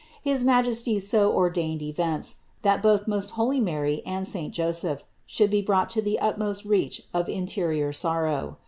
His Majesty so or dained events, that both most holy Mary and saint Jo seph should be brought to the utmost reach of interior sorrow.